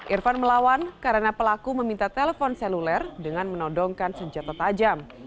irfan melawan karena pelaku meminta telepon seluler dengan menodongkan senjata tajam